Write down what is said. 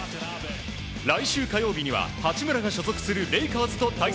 来週火曜日には八村が所属するレイカーズと対戦。